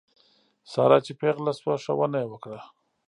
ساره چې پېغله شوه ښه ونه یې وکړه.